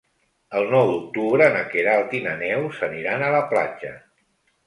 El nou d'octubre na Queralt i na Neus aniran a la platja.